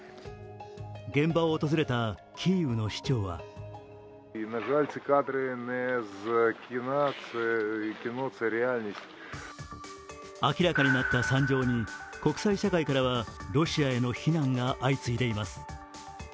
現場を訪れたキーウの市長は明らかになった惨状に国際社会からはロシアへの非難が相次いでいます。